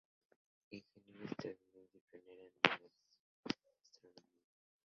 Ingeniero estadounidense, pionero de la radioastronomía.